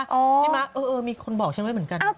พี่ม้าเออมีคนบอกฉันไว้เหมือนกัน